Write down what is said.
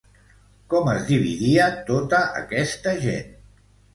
Com es dividia tota aquesta gent?